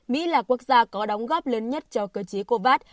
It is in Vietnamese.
mỹ là quốc gia có đóng góp lớn nhất cho cơ chế covax